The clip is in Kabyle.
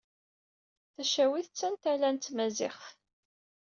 Tacawit d tantala n tmaziɣt.